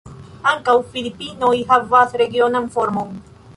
Ankaŭ Filipinoj havas regionan formon.